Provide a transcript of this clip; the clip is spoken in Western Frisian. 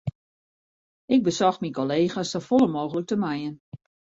Ik besocht myn kollega's safolle mooglik te mijen.